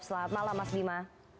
selamat malam mas bima